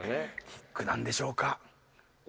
キックなんでしょうか？